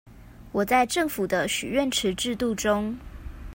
我在政府的許願池制度中